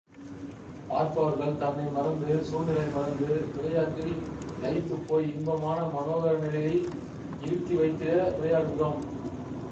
பார்ப்பவர்கள் தன்னை மறந்து, சூழ்நிலை மறந்து, விளையாட்டில் லயித்துப்போய் இன்பமான மனோகர நிலையில் இருத்தி வைத்திட விளையாடுகிறோம்.